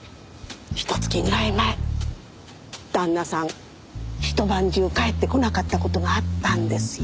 ひと月ぐらい前旦那さん一晩中帰ってこなかった事があったんですよ。